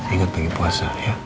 ingat pergi puasa ya